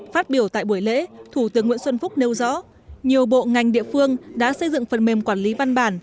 phát biểu tại buổi lễ thủ tướng nguyễn xuân phúc nêu rõ nhiều bộ ngành địa phương đã xây dựng phần mềm quản lý văn bản